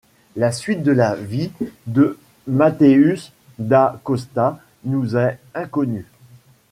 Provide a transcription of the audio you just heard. La suite de la vie de Mateus da Costa nous est inconnue.